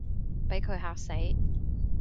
畀佢嚇死